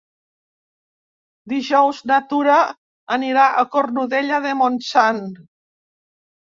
Dijous na Tura anirà a Cornudella de Montsant.